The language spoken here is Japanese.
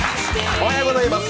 おはようございます！